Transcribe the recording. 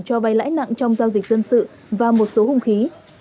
cho vay lãi nặng trong giao dịch dân sự và một số hung khí